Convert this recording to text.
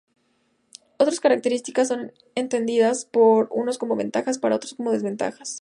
Otras características son entendidas por unos como ventajas, para otros como desventajas.